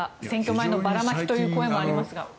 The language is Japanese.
選挙前のばらまきという声もありますが。